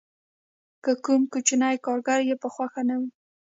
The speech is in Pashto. که کوم کوچنی کارګر یې په خوښه نه وي